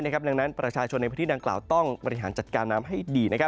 ดังนั้นประชาชนในพื้นที่ดังกล่าวต้องบริหารจัดการน้ำให้ดี